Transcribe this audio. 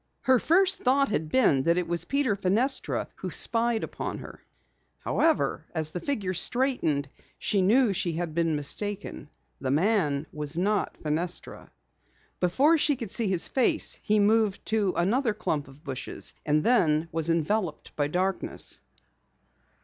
Her first thought had been that it was Peter Fenestra who spied upon her. However, as the figure straightened she knew she had been mistaken. The man was not Fenestra. Before she could see his face, he moved to another clump of bushes, and then was enveloped by darkness.